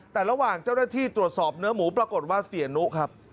แต่ระหว่างเจ้าหน้าที่ตรวจสอบเนื้อหมูปรากฏว่าเสียนุครับ